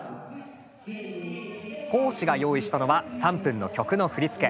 講師が用意したのは３分の曲の振り付け。